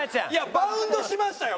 バウンドしましたよ！